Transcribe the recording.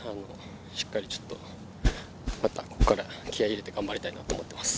しっかり、またここから気合いを入れて頑張りたいと思います。